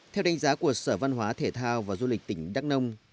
theo đánh giá của sở văn hóa thể thao và du lịch tỉnh đắk nông